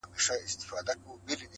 د هندو او کلیمې یې سره څه،